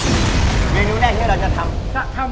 เมนูนี่แหละว่าเราจะทำ